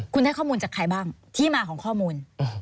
คุณได้ข้อมูลจากใครบ้างที่มาของข้อมูล